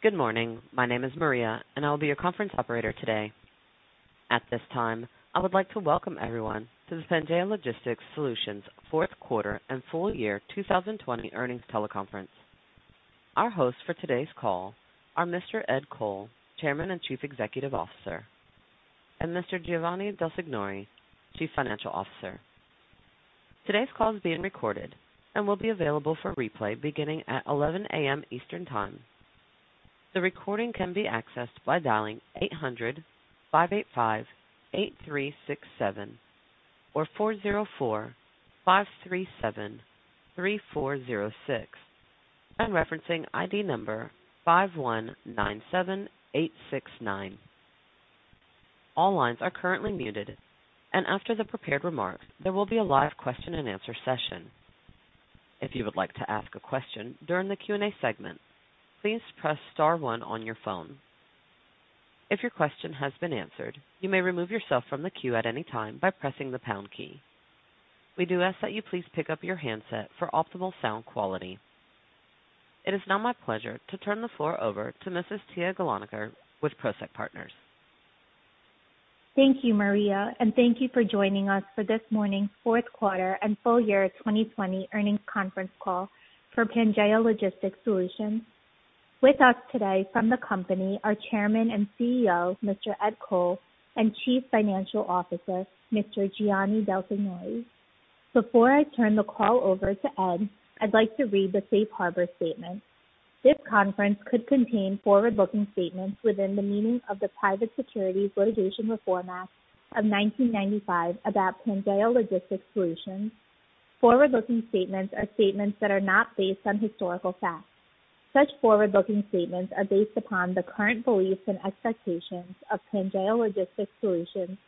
Good morning. My name is Maria, and I'll be your conference operator today. At this time, I would like to welcome everyone to the Pangaea Logistics Solutions fourth quarter and full year 2020 earnings teleconference. Our hosts for today's call are Mr. Ed Coll, Chairman and Chief Executive Officer, and Mr. Gianni Del Signore, Chief Financial Officer. Today's call is being recorded and will be available for replay beginning at 11:00 A.M. Eastern Time. The recording can be accessed by dialing 800-585-8367 or 404-537-3406, and referencing ID number 5197869. All lines are currently muted, and after the prepared remarks, there will be a live question-and-answer session. If you would like to ask a question during the Q&A segment, please press star one on your phone. If your question has been answered, you may remove yourself from the queue at any time by pressing the pound key. We do ask that you please pick up your handset for optimal sound quality. It is now my pleasure to turn the floor over to Mrs. Tiya Gulanikar with Prosek Partners. Thank you, Maria, and thank you for joining us for this morning's fourth quarter and full year 2020 earnings conference call for Pangaea Logistics Solutions. With us today from the company are Chairman and CEO Mr. Ed Coll and Chief Financial Officer Mr. Gianni Del Signore. Before I turn the call over to Ed, I'd like to read the Safe Harbor Statement. This call could contain forward-looking statements within the meaning of the Private Securities Litigation Reform Act of 1995 about Pangaea Logistics Solutions. Forward-looking statements are statements that are not based on historical facts. Such forward-looking statements are based upon the current beliefs and expectations of Pangaea Logistics Solutions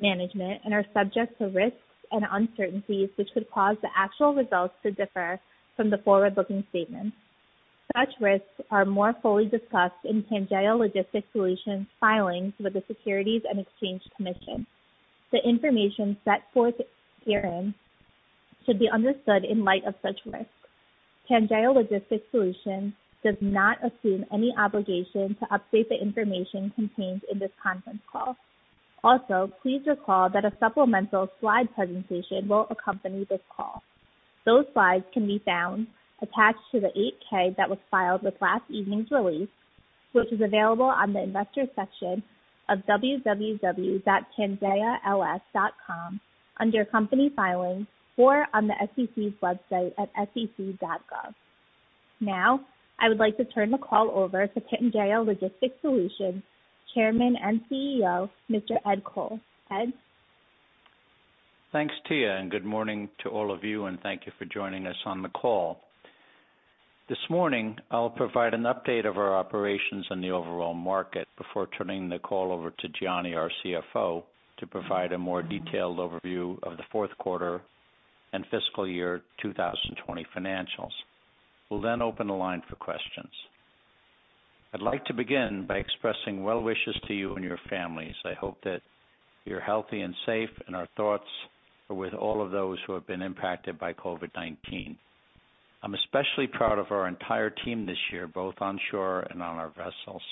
management and are subject to risks and uncertainties which could cause the actual results to differ from the forward-looking statements. Such risks are more fully discussed in Pangaea Logistics Solutions filings with the Securities and Exchange Commission. The information set forth herein should be understood in light of such risks. Pangaea Logistics Solutions does not assume any obligation to update the information contained in this conference call. Also, please recall that a supplemental slide presentation will accompany this call. Those slides can be found attached to the 8-K that was filed with last evening's release, which is available on the investor section of www.pangaea-ls.com under Company Filings or on the SEC's website at sec.gov. Now, I would like to turn the call over to Pangaea Logistics Solutions Chairman and CEO Mr. Ed Coll. Ed? Thanks, Tiya, and good morning to all of you, and thank you for joining us on the call. This morning, I'll provide an update of our operations and the overall market before turning the call over to Gianni, our CFO, to provide a more detailed overview of the fourth quarter and fiscal year 2020 financials. We'll then open the line for questions. I'd like to begin by expressing well wishes to you and your families. I hope that you're healthy and safe, and our thoughts are with all of those who have been impacted by COVID-19. I'm especially proud of our entire team this year, both onshore and on our vessels.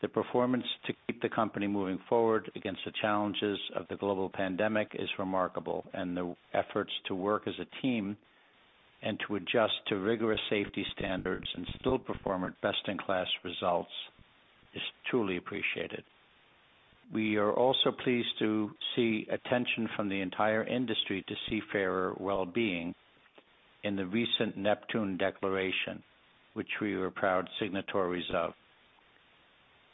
The performance to keep the company moving forward against the challenges of the global pandemic is remarkable, and the efforts to work as a team and to adjust to rigorous safety standards and still perform at best-in-class results is truly appreciated. We are also pleased to see attention from the entire industry to seafarers' well-being in the recent Neptune Declaration, which we are proud signatories of.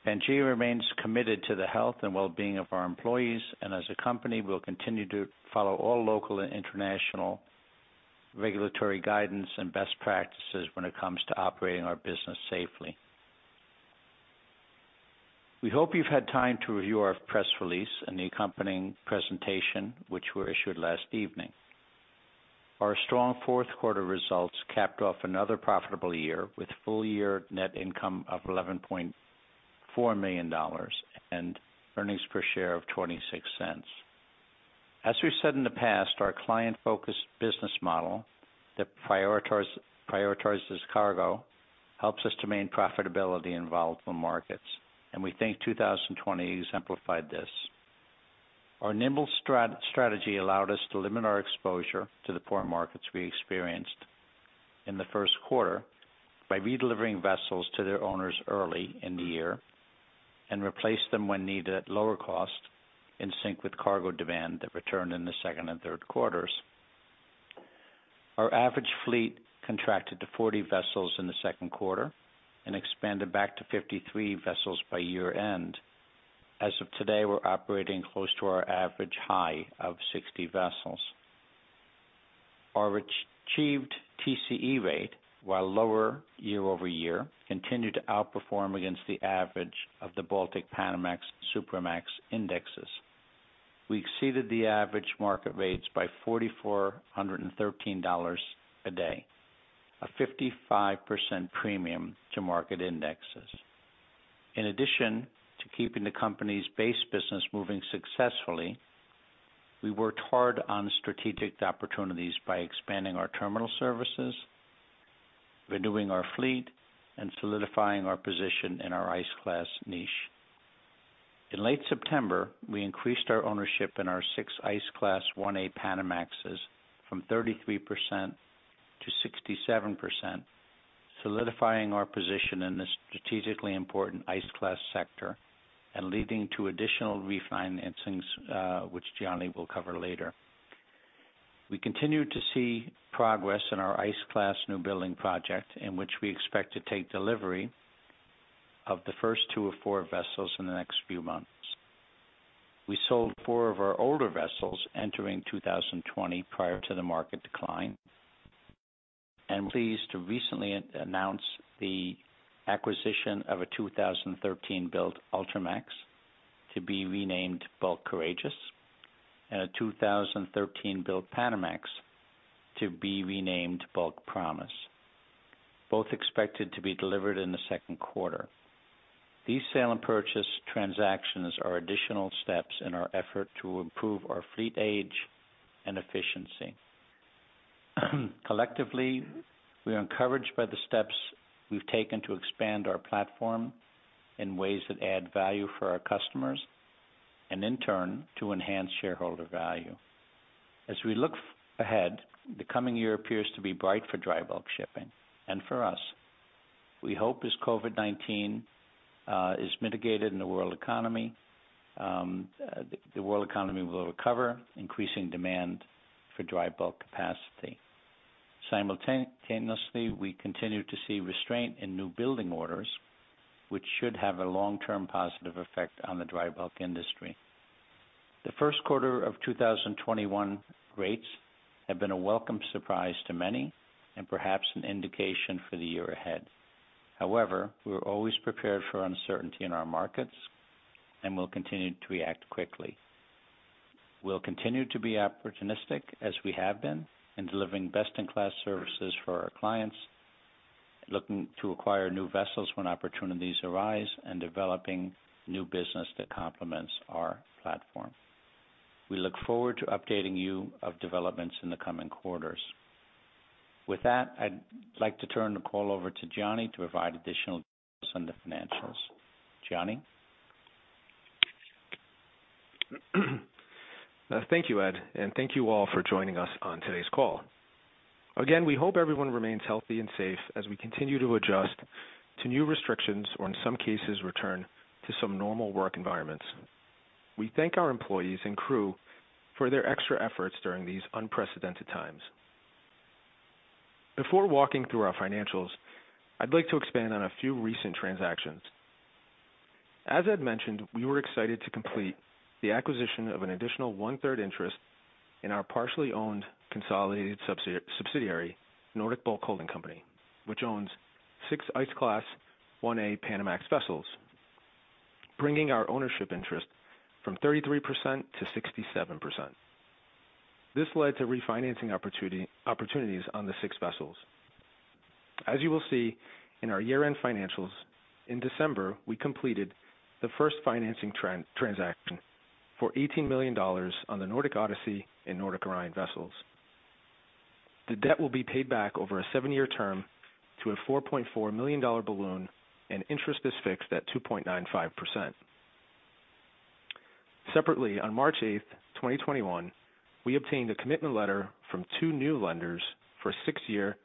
Pangaea remains committed to the health and well-being of our employees, and as a company, we'll continue to follow all local and international regulatory guidance and best practices when it comes to operating our business safely. We hope you've had time to review our press release and the accompanying presentation, which were issued last evening. Our strong fourth quarter results capped off another profitable year with full-year net income of $11.4 million and earnings per share of $0.26. As we've said in the past, our client-focused business model that prioritizes cargo helps us to maintain profitability in volatile markets, and we think 2020 exemplified this. Our nimble strategy allowed us to limit our exposure to the poor markets we experienced in the first quarter by redelivering vessels to their owners early in the year and replace them when needed at lower cost in sync with cargo demand that returned in the second and third quarters. Our average fleet contracted to 40 vessels in the second quarter and expanded back to 53 vessels by year-end. As of today, we're operating close to our average high of 60 vessels. Our achieved TCE rate, while lower year-over-year, continued to outperform against the average of the Baltic Panamax and Supramax indexes. We exceeded the average market rates by $4,413 a day, a 55% premium to market indexes. In addition to keeping the company's base business moving successfully, we worked hard on strategic opportunities by expanding our terminal services, renewing our fleet, and solidifying our position in our ice-class niche. In late September, we increased our ownership in our six ice-class 1A Panamaxes from 33% to 67%, solidifying our position in this strategically important ice-class sector and leading to additional refinancings, which Gianni will cover later. We continue to see progress in our ice-class new building project in which we expect to take delivery of the first two or four vessels in the next few months. We sold four of our older vessels entering 2020 prior to the market decline, and we're pleased to recently announce the acquisition of a 2013-built Ultramax to be renamed Bulk Courageous and a 2013-built Panamax to be renamed Bulk Promise, both expected to be delivered in the second quarter. These sale and purchase transactions are additional steps in our effort to improve our fleet age and efficiency. Collectively, we're encouraged by the steps we've taken to expand our platform in ways that add value for our customers and, in turn, to enhance shareholder value. As we look ahead, the coming year appears to be bright for dry bulk shipping and for us. We hope as COVID-19 is mitigated in the world economy, the world economy will recover, increasing demand for dry bulk capacity. Simultaneously, we continue to see restraint in new building orders, which should have a long-term positive effect on the dry bulk industry. The first quarter of 2021 rates have been a welcome surprise to many and perhaps an indication for the year ahead. However, we're always prepared for uncertainty in our markets and will continue to react quickly. We'll continue to be opportunistic as we have been in delivering best-in-class services for our clients, looking to acquire new vessels when opportunities arise, and developing new business that complements our platform. We look forward to updating you of developments in the coming quarters. With that, I'd like to turn the call over to Gianni to provide additional details on the financials. Gianni? Thank you, Ed, and thank you all for joining us on today's call. Again, we hope everyone remains healthy and safe as we continue to adjust to new restrictions or, in some cases, return to some normal work environments. We thank our employees and crew for their extra efforts during these unprecedented times. Before walking through our financials, I'd like to expand on a few recent transactions. As Ed mentioned, we were excited to complete the acquisition of an additional one-third interest in our partially owned consolidated subsidiary, Nordic Bulk Holding Company, which owns six ice-class 1A Panamax vessels, bringing our ownership interest from 33% to 67%. This led to refinancing opportunities on the six vessels. As you will see in our year-end financials, in December, we completed the first financing transaction for $18 million on the Nordic Odyssey and Nordic Orion vessels. The debt will be paid back over a seven-year term to a $4.4 million balloon and interest is fixed at 2.95%. Separately, on March 8th, 2021, we obtained a commitment letter from two new lenders for a six-year,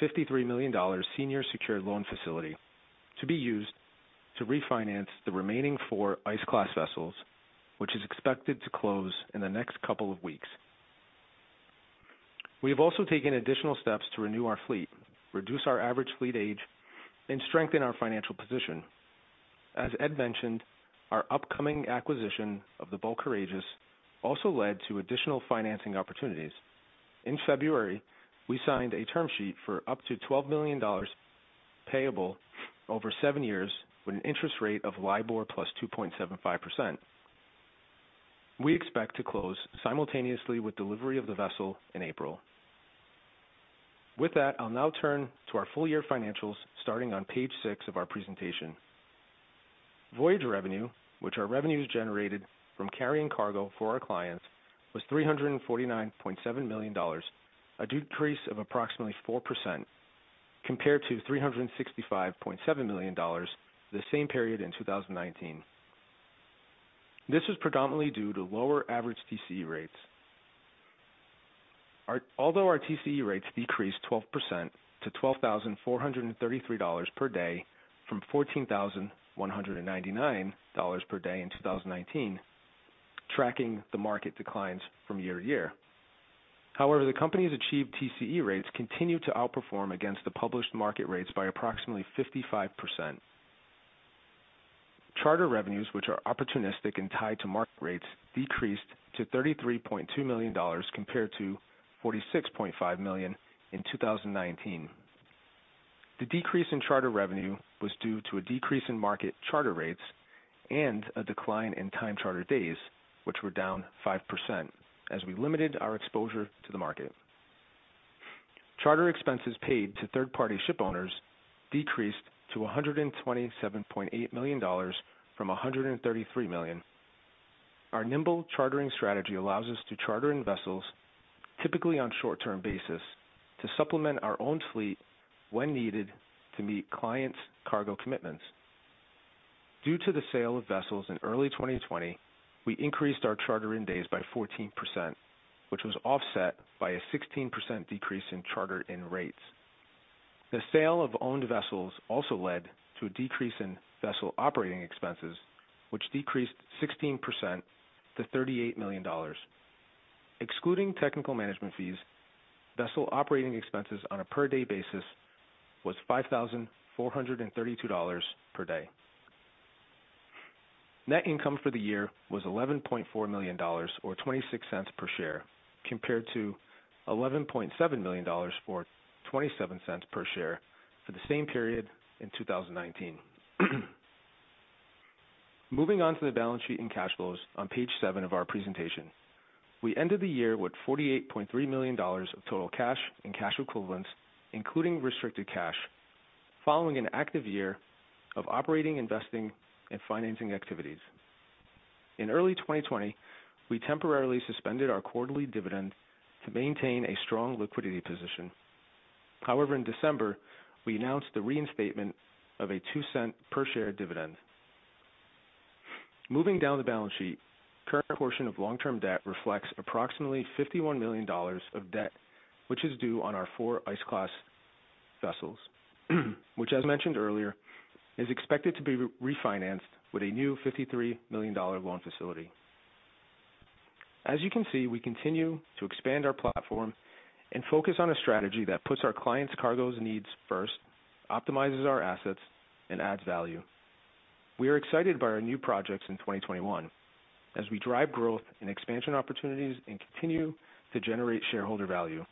$53 million senior secured loan facility to be used to refinance the remaining four ice-class vessels, which is expected to close in the next couple of weeks. We have also taken additional steps to renew our fleet, reduce our average fleet age, and strengthen our financial position. As Ed mentioned, our upcoming acquisition of the Bulk Courageous also led to additional financing opportunities. In February, we signed a term sheet for up to $12 million payable over seven years with an interest rate of LIBOR plus 2.75%. We expect to close simultaneously with delivery of the vessel in April. With that, I'll now turn to our full-year financials starting on page six of our presentation. Voyage revenue, which are revenues generated from carrying cargo for our clients, was $349.7 million, a decrease of approximately 4% compared to $365.7 million the same period in 2019. This was predominantly due to lower average TCE rates. Although our TCE rates decreased 12% to $12,433 per day from $14,199 per day in 2019, tracking the market declines from year to year. However, the company's achieved TCE rates continue to outperform against the published market rates by approximately 55%. Charter revenues, which are opportunistic and tied to market rates, decreased to $33.2 million compared to $46.5 million in 2019. The decrease in charter revenue was due to a decrease in market charter rates and a decline in time charter days, which were down 5% as we limited our exposure to the market. Charter expenses paid to third-party shipowners decreased to $127.8 million from $133 million. Our nimble chartering strategy allows us to charter in vessels, typically on a short-term basis, to supplement our own fleet when needed to meet clients' cargo commitments. Due to the sale of vessels in early 2020, we increased our charter in days by 14%, which was offset by a 16% decrease in charter in rates. The sale of owned vessels also led to a decrease in vessel operating expenses, which decreased 16% to $38 million. Excluding technical management fees, vessel operating expenses on a per-day basis was $5,432 per day. Net income for the year was $11.4 million or $0.26 per share compared to $11.7 million or $0.27 per share for the same period in 2019. Moving on to the balance sheet and cash flows on page seven of our presentation. We ended the year with $48.3 million of total cash and cash equivalents, including restricted cash, following an active year of operating, investing, and financing activities. In early 2020, we temporarily suspended our quarterly dividend to maintain a strong liquidity position. However, in December, we announced the reinstatement of a $0.02 per share dividend. Moving down the balance sheet, the current portion of long-term debt reflects approximately $51 million of debt, which is due on our four ice-class vessels, which, as mentioned earlier, is expected to be refinanced with a new $53 million loan facility. As you can see, we continue to expand our platform and focus on a strategy that puts our clients' cargo's needs first, optimizes our assets, and adds value. We are excited by our new projects in 2021 as we drive growth and expansion opportunities and continue to generate shareholder value.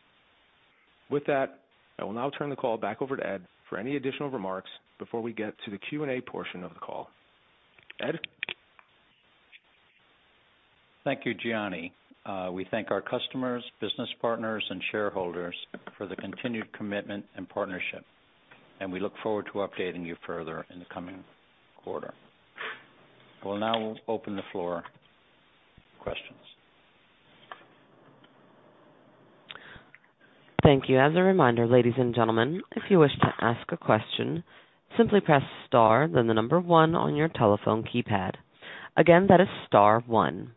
With that, I will now turn the call back over to Ed for any additional remarks before we get to the Q&A portion of the call. Ed? Thank you, Gianni. We thank our customers, business partners, and shareholders for the continued commitment and partnership, and we look forward to updating you further in the coming quarter. I will now open the floor for questions. Thank you. As a reminder, ladies and gentlemen, if you wish to ask a question, simply press star, then the number one on your telephone keypad. Again, that is star one.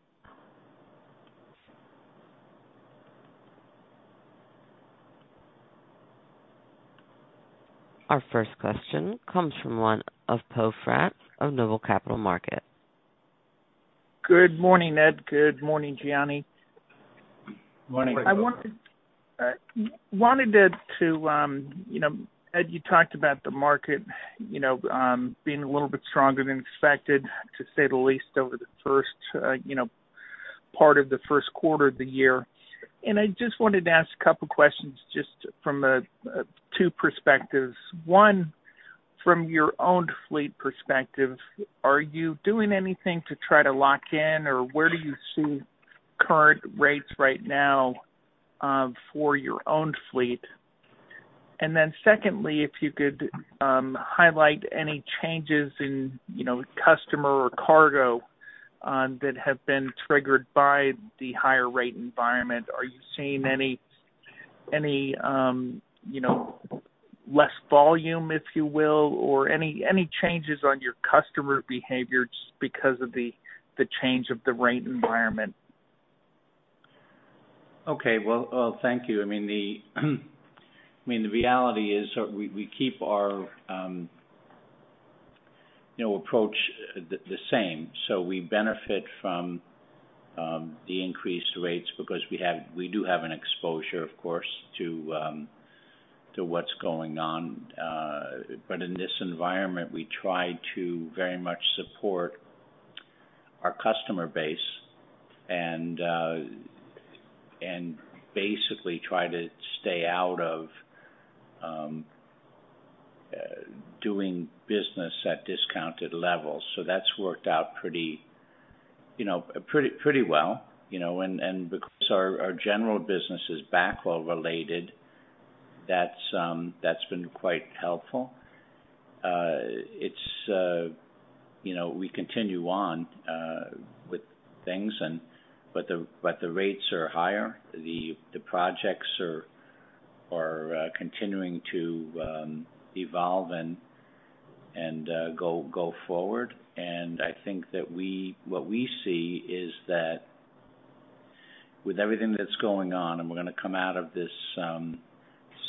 Our first question comes from Poe Fratt of Noble Capital Markets. Good morning, Ed. Good morning, Gianni. Morning. I wanted to, Ed, you talked about the market being a little bit stronger than expected, to say the least, over the first part of the first quarter of the year. And I just wanted to ask a couple of questions just from two perspectives. One, from your own fleet perspective, are you doing anything to try to lock in, or where do you see current rates right now for your own fleet? And then secondly, if you could highlight any changes in customer or cargo that have been triggered by the higher rate environment. Are you seeing any less volume, if you will, or any changes on your customer behavior just because of the change of the rate environment? Okay. Well, thank you. I mean, the reality is we keep our approach the same. So we benefit from the increased rates because we do have an exposure, of course, to what's going on. But in this environment, we try to very much support our customer base and basically try to stay out of doing business at discounted levels. So that's worked out pretty well. And because our general business is backlog-related, that's been quite helpful. We continue on with things, but the rates are higher. The projects are continuing to evolve and go forward. And I think that what we see is that with everything that's going on, and we're going to come out of this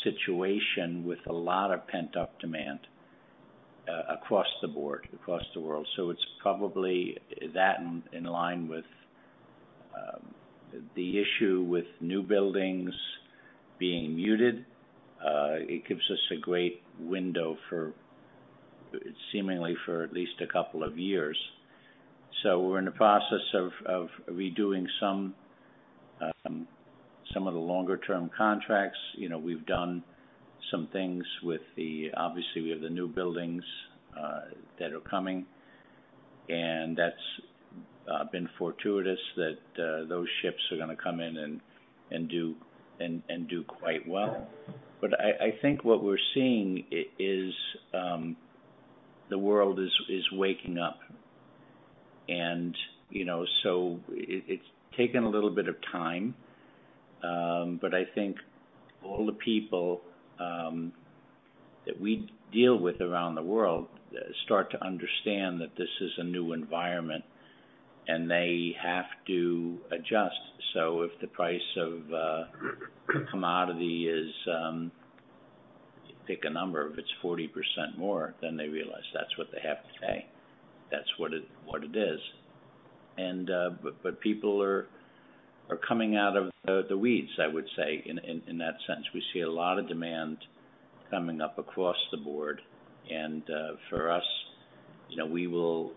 situation with a lot of pent-up demand across the board, across the world. So it's probably that in line with the issue with new buildings being muted. It gives us a great window, seemingly, for at least a couple of years. So we're in the process of redoing some of the longer-term contracts. We've done some things with the, obviously, we have the new buildings that are coming. And that's been fortuitous that those ships are going to come in and do quite well. But I think what we're seeing is the world is waking up. And so it's taken a little bit of time, but I think all the people that we deal with around the world start to understand that this is a new environment, and they have to adjust. So if the price of commodity is, pick a number, if it's 40% more, then they realize that's what they have to pay. That's what it is. But people are coming out of the weeds, I would say, in that sense. We see a lot of demand coming up across the board, and for us, we will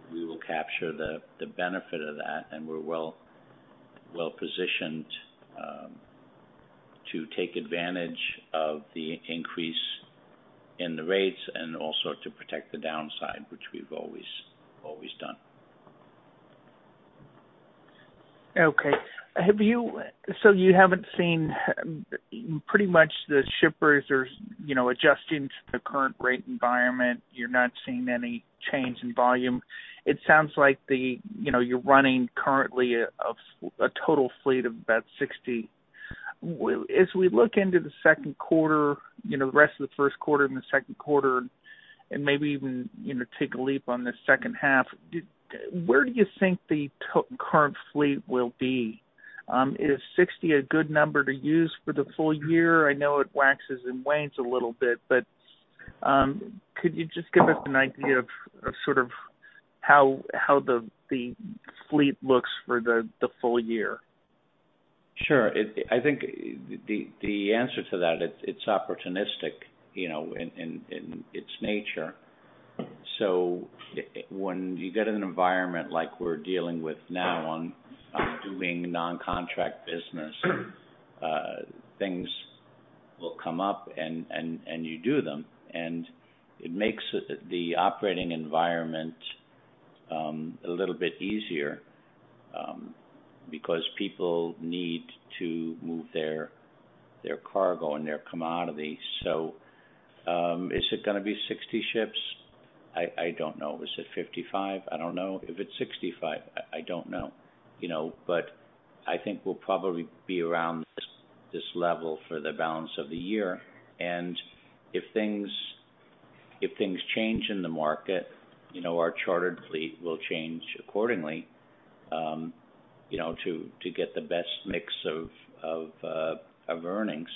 capture the benefit of that, and we're well-positioned to take advantage of the increase in the rates and also to protect the downside, which we've always done. Okay. So you haven't seen pretty much the shippers are adjusting to the current rate environment. You're not seeing any change in volume. It sounds like you're running currently a total fleet of about 60. As we look into the second quarter, the rest of the first quarter and the second quarter, and maybe even take a leap on the second half, where do you think the current fleet will be? Is 60 a good number to use for the full year? I know it waxes and wanes a little bit, but could you just give us an idea of sort of how the fleet looks for the full year? Sure. I think the answer to that, it's opportunistic in its nature. So when you get in an environment like we're dealing with now on doing non-contract business, things will come up, and you do them. And it makes the operating environment a little bit easier because people need to move their cargo and their commodity. So is it going to be 60 ships? I don't know. Is it 55? I don't know. If it's 65, I don't know. But I think we'll probably be around this level for the balance of the year. And if things change in the market, our chartered fleet will change accordingly to get the best mix of earnings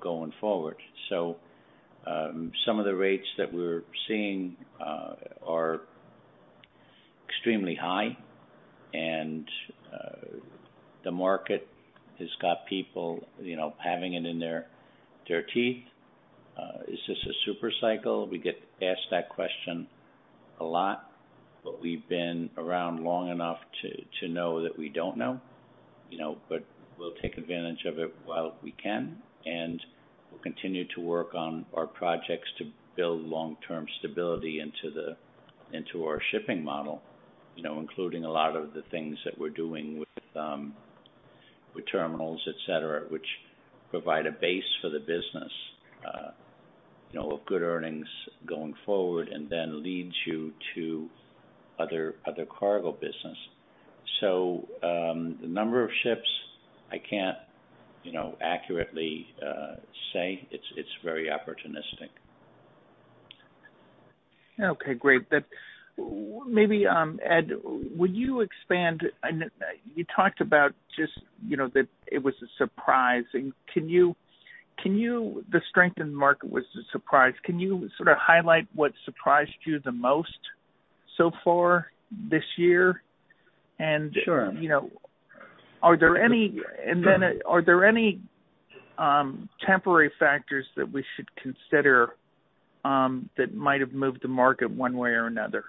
going forward. So some of the rates that we're seeing are extremely high, and the market has got people having it in their teeth. Is this a super cycle? We get asked that question a lot, but we've been around long enough to know that we don't know. But we'll take advantage of it while we can. And we'll continue to work on our projects to build long-term stability into our shipping model, including a lot of the things that we're doing with terminals, etc., which provide a base for the business of good earnings going forward and then leads you to other cargo business. So the number of ships, I can't accurately say. It's very opportunistic. Okay. Great. Maybe, Ed, would you expand? You talked about just that it was a surprise, and the strength in the market was a surprise. Can you sort of highlight what surprised you the most so far this year? And then are there any temporary factors that we should consider that might have moved the market one way or another?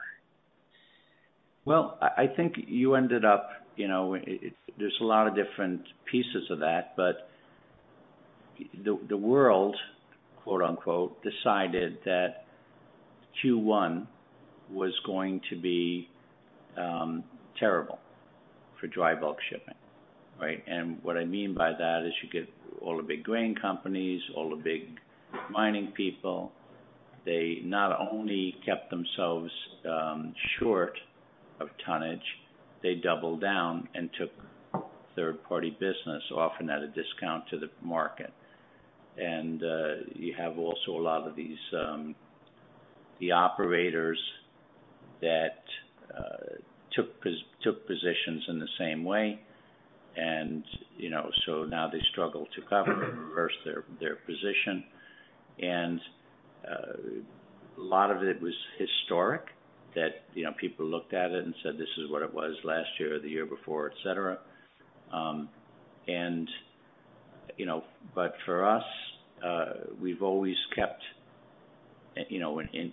Well, I think you ended up, there's a lot of different pieces of that. But the world, quote-unquote, decided that Q1 was going to be terrible for dry bulk shipping. Right? And what I mean by that is you get all the big grain companies, all the big mining people. They not only kept themselves short of tonnage, they doubled down and took third-party business, often at a discount to the market. And you have also a lot of these operators that took positions in the same way. And so now they struggle to cover and reverse their position. And a lot of it was historic that people looked at it and said, "This is what it was last year or the year before," etc. But for us, we've always kept an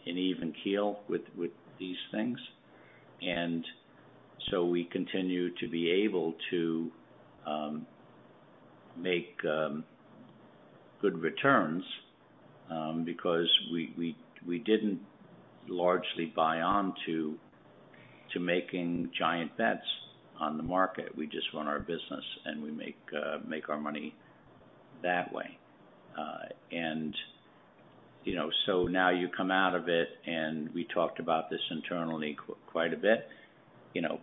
even keel with these things. And so we continue to be able to make good returns because we didn't largely buy onto making giant bets on the market. We just run our business, and we make our money that way. And so now you come out of it, and we talked about this internally quite a bit.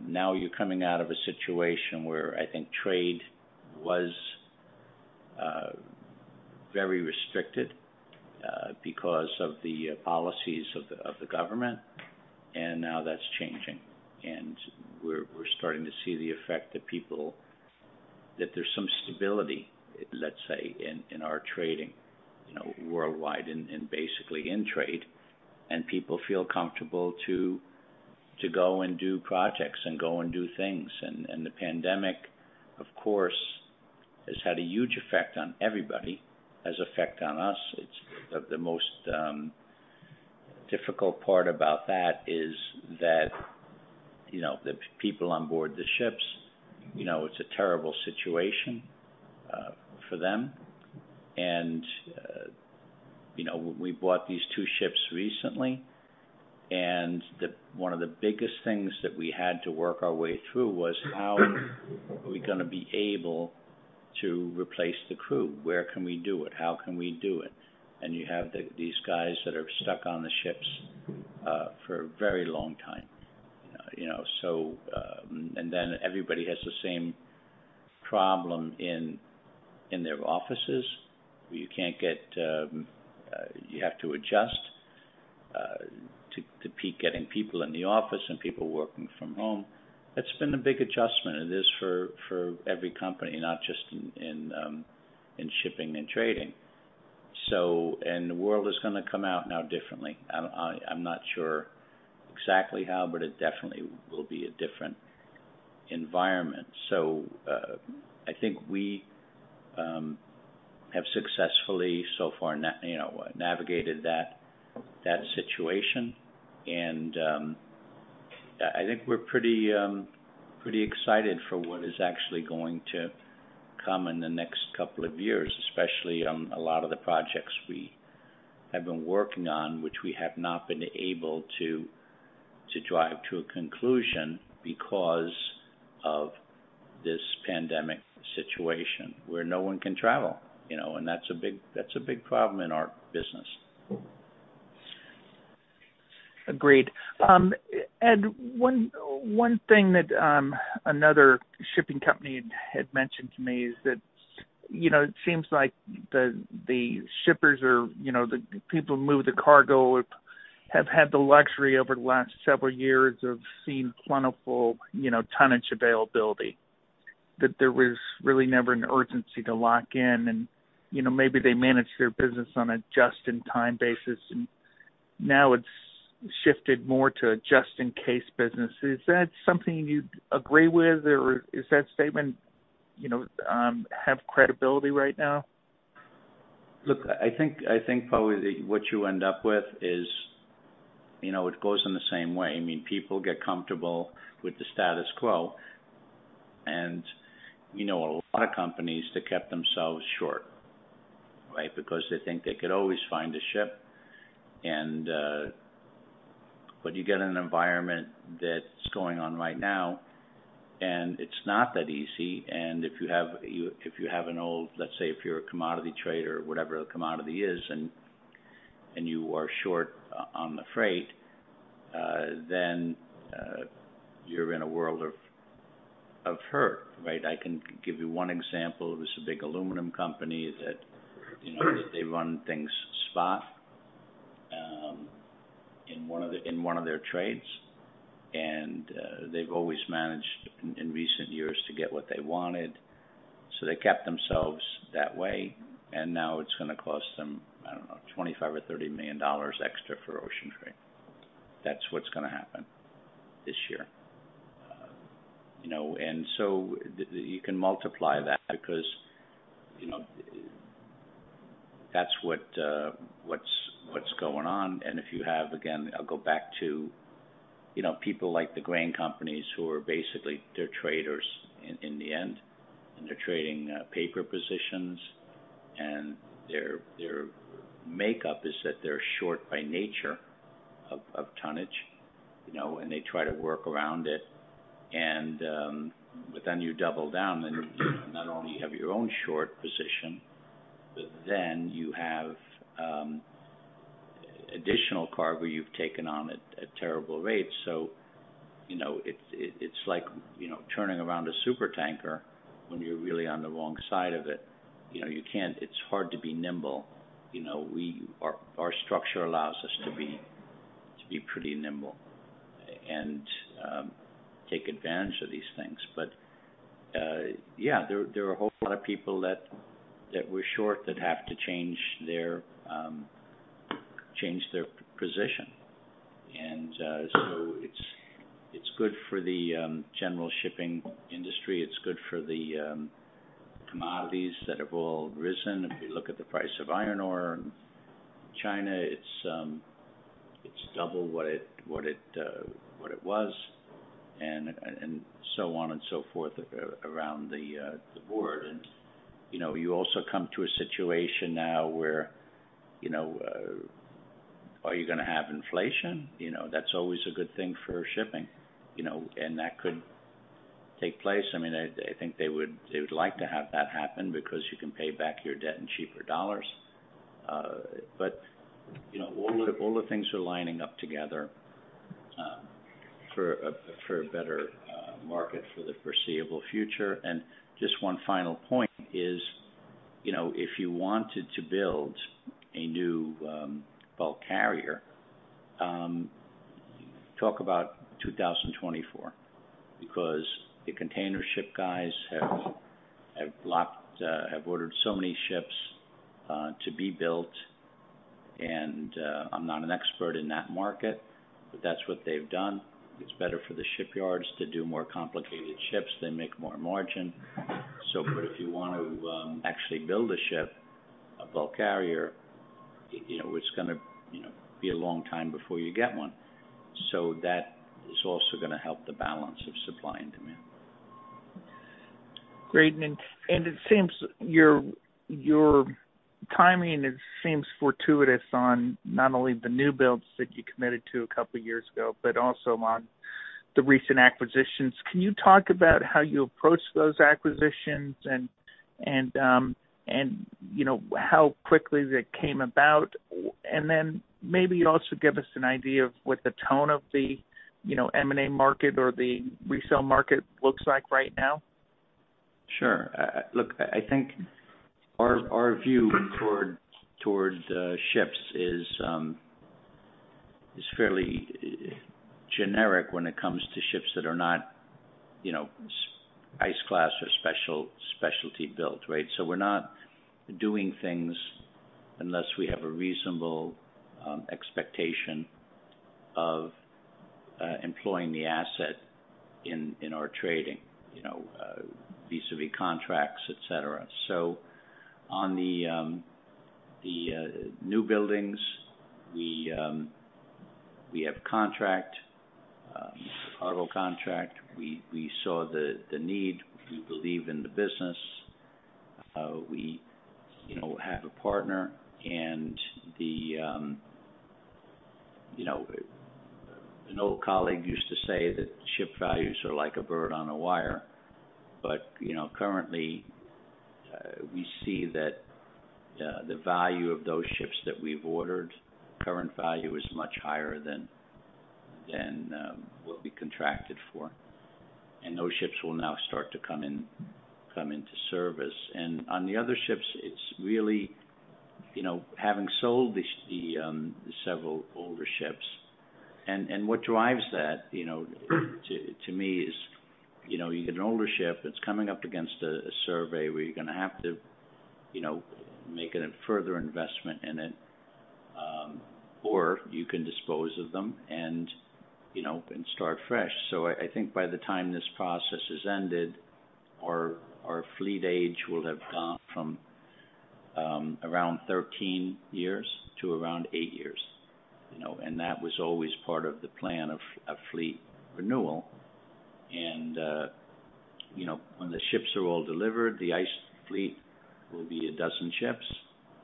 Now you're coming out of a situation where I think trade was very restricted because of the policies of the government. And now that's changing. And we're starting to see the effect that there's some stability, let's say, in our trading worldwide and basically in trade. And people feel comfortable to go and do projects and go and do things. And the pandemic, of course, has had a huge effect on everybody, has an effect on us. The most difficult part about that is that the people on board the ships, it's a terrible situation for them. And we bought these two ships recently. And one of the biggest things that we had to work our way through was, how are we going to be able to replace the crew? Where can we do it? How can we do it? And you have these guys that are stuck on the ships for a very long time. And then everybody has the same problem in their offices. You have to adjust to keep getting people in the office and people working from home. That's been a big adjustment. It is for every company, not just in shipping and trading. And the world is going to come out now differently. I'm not sure exactly how, but it definitely will be a different environment. So I think we have successfully so far navigated that situation. I think we're pretty excited for what is actually going to come in the next couple of years, especially on a lot of the projects we have been working on, which we have not been able to drive to a conclusion because of this pandemic situation where no one can travel. That's a big problem in our business. Agreed. Ed, one thing that another shipping company had mentioned to me is that it seems like the shippers or the people who move the cargo have had the luxury over the last several years of seeing plentiful tonnage availability, that there was really never an urgency to lock in. And maybe they managed their business on a just-in-time basis. And now it's shifted more to a just-in-case business. Is that something you'd agree with, or is that statement have credibility right now? Look, I think probably what you end up with is it goes in the same way. I mean, people get comfortable with the status quo, and we know a lot of companies that kept themselves short, right, because they think they could always find a ship, but you get an environment that's going on right now, and it's not that easy, and if you have an old, let's say if you're a commodity trader or whatever the commodity is, and you are short on the freight, then you're in a world of hurt, right? I can give you one example. It was a big aluminum company that they run things spot in one of their trades, and they've always managed in recent years to get what they wanted, so they kept themselves that way. And now it's going to cost them, I don't know, $25 million or $30 million extra for ocean freight. That's what's going to happen this year. And so you can multiply that because that's what's going on. And if you have, again, I'll go back to people like the grain companies who are basically their traders in the end. And they're trading paper positions. And their makeup is that they're short by nature of tonnage. And they try to work around it. And then you double down. And not only do you have your own short position, but then you have additional cargo you've taken on at terrible rates. So it's like turning around a supertanker when you're really on the wrong side of it. It's hard to be nimble. Our structure allows us to be pretty nimble and take advantage of these things. But yeah, there are a whole lot of people that were short that have to change their position. And so it's good for the general shipping industry. It's good for the commodities that have all risen. If you look at the price of iron ore in China, it's double what it was, and so on and so forth around the board. And you also come to a situation now where, are you going to have inflation? That's always a good thing for shipping. And that could take place. I mean, I think they would like to have that happen because you can pay back your debt in cheaper dollars. But all the things are lining up together for a better market for the foreseeable future. And just one final point is, if you wanted to build a new bulk carrier, talk about 2024 because the container ship guys have ordered so many ships to be built. And I'm not an expert in that market, but that's what they've done. It's better for the shipyards to do more complicated ships. They make more margin. But if you want to actually build a ship, a bulk carrier, it's going to be a long time before you get one. So that is also going to help the balance of supply and demand. Great. And it seems your timing seems fortuitous on not only the new builds that you committed to a couple of years ago, but also on the recent acquisitions. Can you talk about how you approached those acquisitions and how quickly they came about? And then maybe you also give us an idea of what the tone of the M&A market or the resale market looks like right now. Sure. Look, I think our view toward ships is fairly generic when it comes to ships that are not ice class or specialty built, right? So we're not doing things unless we have a reasonable expectation of employing the asset in our trading vis-à-vis contracts, etc. So on the new buildings, we have contract, cargo contract. We saw the need. We believe in the business. We have a partner. And an old colleague used to say that ship values are like a bird on a wire. But currently, we see that the value of those ships that we've ordered, current value is much higher than what we contracted for. And those ships will now start to come into service. And on the other ships, it's really having sold the several older ships. And what drives that, to me, is you get an older ship. It's coming up against a survey where you're going to have to make a further investment in it, or you can dispose of them and start fresh, so I think by the time this process has ended, our fleet age will have gone from around 13 years to around eight years, and that was always part of the plan of fleet renewal, and when the ships are all delivered, the ice fleet will be a dozen ships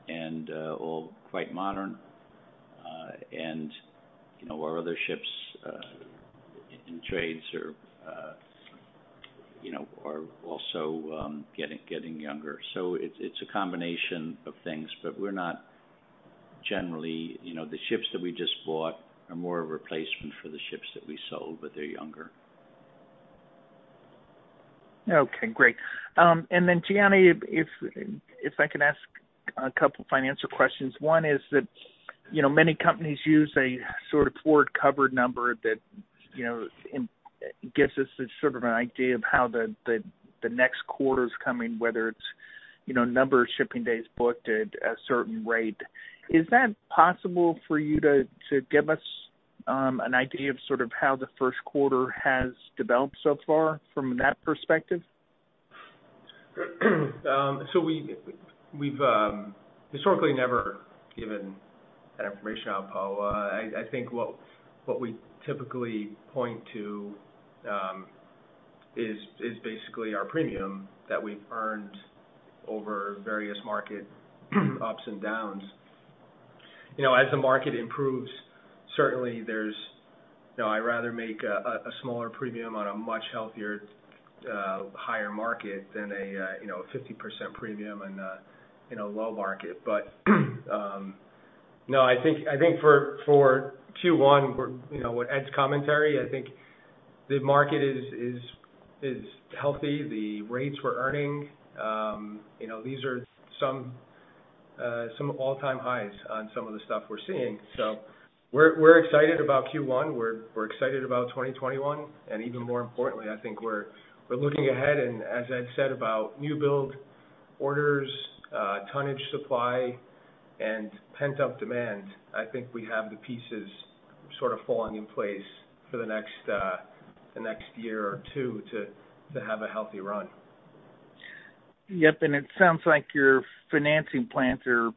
and all quite modern, and our other ships in trades are also getting younger, so it's a combination of things, but we're not generally, the ships that we just bought are more a replacement for the ships that we sold, but they're younger. Okay. Great. And then, Gianni, if I can ask a couple of financial questions. One is that many companies use a sort of forward covered number that gives us sort of an idea of how the next quarter is coming, whether it's number of shipping days booked at a certain rate. Is that possible for you to give us an idea of sort of how the first quarter has developed so far from that perspective? So we've historically never given that information out, Poe. I think what we typically point to is basically our premium that we've earned over various market ups and downs. As the market improves, certainly, I'd rather make a smaller premium on a much healthier, higher market than a 50% premium in a low market. But no, I think for Q1, what Ed's commentary, I think the market is healthy. The rates we're earning, these are some all-time highs on some of the stuff we're seeing. So we're excited about Q1. We're excited about 2021. And even more importantly, I think we're looking ahead. And as Ed said about new build orders, tonnage supply, and pent-up demand, I think we have the pieces sort of falling in place for the next year or two to have a healthy run. Yep. And it sounds like your financing plans are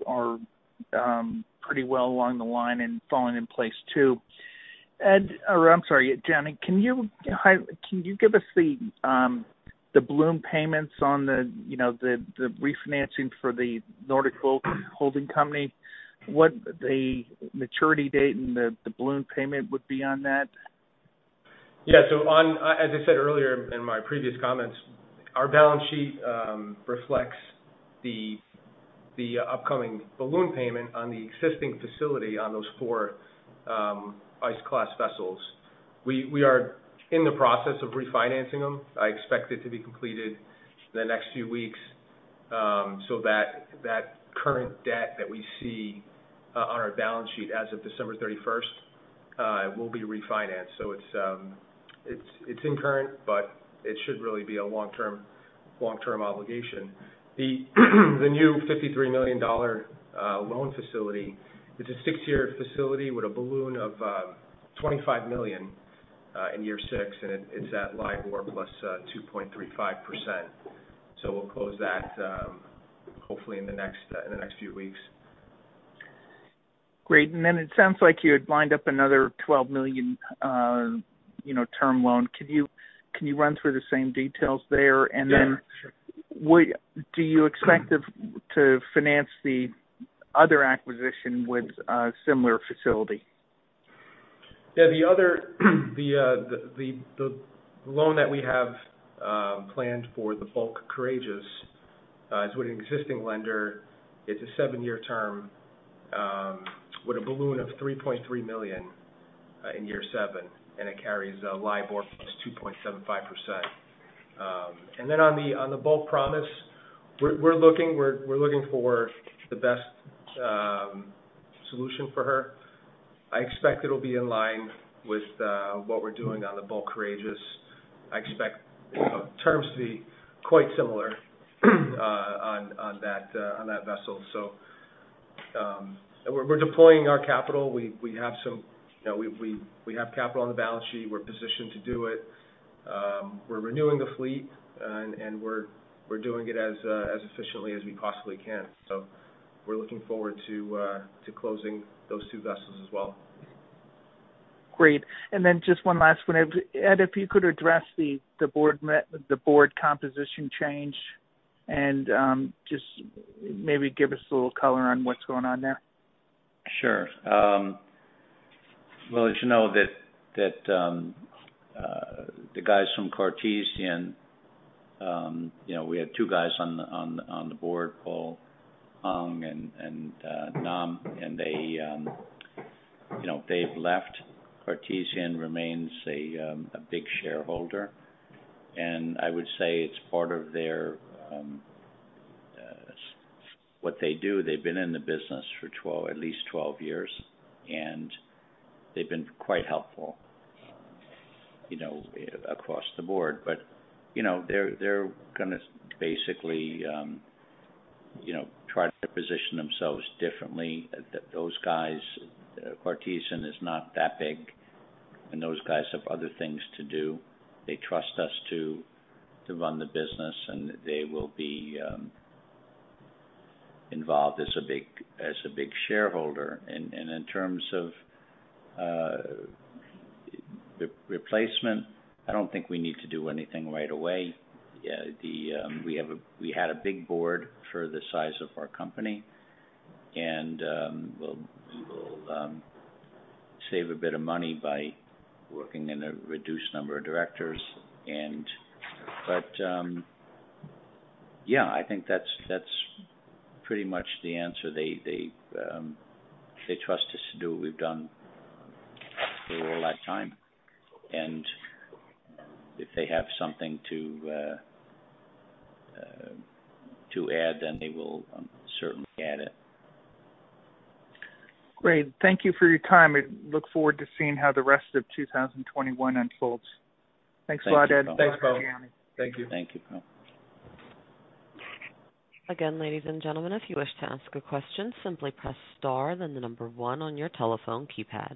pretty well along the line and falling in place too. Ed, or I'm sorry, Gianni, can you give us the balloon payments on the refinancing for the Nordic Bulk Holding Company? What the maturity date and the balloon payment would be on that? Yeah. So as I said earlier in my previous comments, our balance sheet reflects the upcoming balloon payment on the existing facility on those four ice class vessels. We are in the process of refinancing them. I expect it to be completed in the next few weeks. So that current debt that we see on our balance sheet as of December 31st will be refinanced. So it's not current, but it should really be a long-term obligation. The new $53 million loan facility, it's a six-year facility with a balloon of $25 million in year six. And it's at LIBOR plus 2.35%. So we'll close that hopefully in the next few weeks. Great. And then it sounds like you had lined up another $12 million term loan. Can you run through the same details there? And then do you expect to finance the other acquisition with a similar facility? Yeah. The loan that we have planned for the Bulk Courageous is with an existing lender. It's a seven-year term with a balloon of $3.3 million in year seven. And it carries LIBOR plus 2.75%. And then on the Bulk Promise, we're looking for the best solution for her. I expect it'll be in line with what we're doing on the Bulk Courageous. I expect terms to be quite similar on that vessel. So we're deploying our capital. We have capital on the balance sheet. We're positioned to do it. We're renewing the fleet. And we're doing it as efficiently as we possibly can. So we're looking forward to closing those two vessels as well. Great. And then just one last one. Ed, if you could address the board composition change and just maybe give us a little color on what's going on there. Sure. Well, as you know, the guys from Cartesian, we had two guys on the board, Paul Lim, and Nam. And they've left. Cartesian remains a big shareholder. And I would say it's part of what they do. They've been in the business for at least 12 years. And they've been quite helpful across the board. But they're going to basically try to position themselves differently. Those guys, Cartesian is not that big. And those guys have other things to do. They trust us to run the business. And they will be involved as a big shareholder. And in terms of replacement, I don't think we need to do anything right away. We had a big board for the size of our company. And we'll save a bit of money by working in a reduced number of directors. But yeah, I think that's pretty much the answer. They trust us to do what we've done for a long time, and if they have something to add, then they will certainly add it. Great. Thank you for your time. I look forward to seeing how the rest of 2021 unfolds. Thanks a lot, Ed. Thanks, Poe. Thank you. Thank you. Thank you, Poe. Again, ladies and gentlemen, if you wish to ask a question, simply press star, then the number one on your telephone keypad.